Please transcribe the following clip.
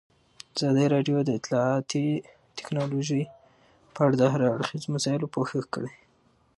ازادي راډیو د اطلاعاتی تکنالوژي په اړه د هر اړخیزو مسایلو پوښښ کړی.